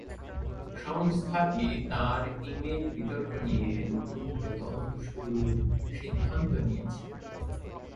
সংস্থাটি তাঁর ই-মেইল বিতর্ক নিয়ে নতুন করে তদন্ত শুরুর সিদ্ধান্ত নিয়েছে।